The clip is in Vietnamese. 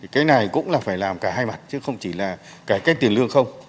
cái này cũng là phải làm cả hai mặt chứ không chỉ là cải cách tiền lương không